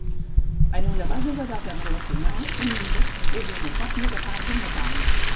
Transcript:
En una base de dades relacional un índex és una còpia de part d'una taula.